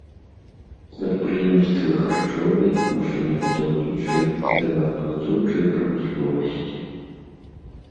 Прадпрыемствы харчовай, машынабудаўнічай, дрэваапрацоўчай прамысловасці.